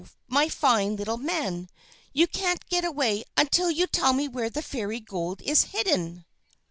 My fine little man, you can't get away until you tell me where the Fairy Gold is hidden!"